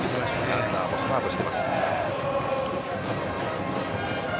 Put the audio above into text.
ランナーもスタートしています。